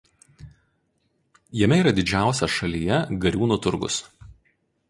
Jame yra didžiausias šalyje Gariūnų turgus.